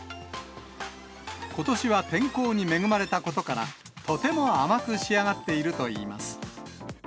ことしは天候に恵まれたことから、とても甘く仕上がっているといいます。